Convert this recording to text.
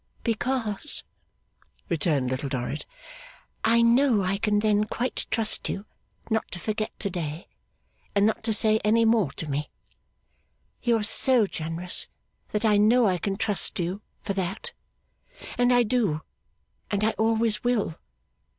'Because,' returned Little Dorrit, 'I know I can then quite trust you not to forget to day, and not to say any more to me. You are so generous that I know I can trust to you for that; and I do and I always will.